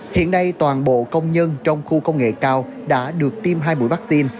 hiện nay toàn bộ công nhân trong khu công nghệ cao đã được tiêm hai buổi vaccine